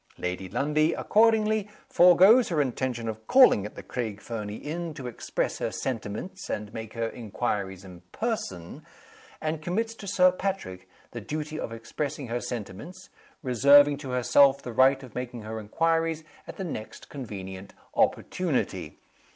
Lady Lundie, accordingly, foregoes her intention of calling at the Craig Fernie inn, to express her sentiments and make her inquiries in person, and commits to Sir Patrick the duty of expressing her sentiments; reserving to herself the right of making her inquiries at the next convenient opportunity.